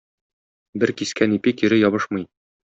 Бер кискән ипи кире ябышмый.